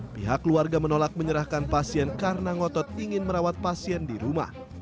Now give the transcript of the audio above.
pihak keluarga menolak menyerahkan pasien karena ngotot ingin merawat pasien di rumah